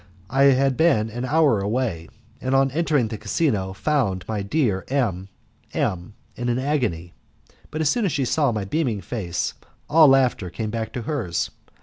I had been an hour away, and on entering the casino found my dear M M in an agony, but as soon as she saw my beaming face all the laughter came back on hers.